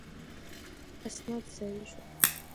اسناد ضایع شول.